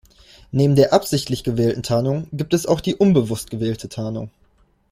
Neben der absichtlich gewählten Tarnung gibt es auch die unbewusst gewählte Tarnung.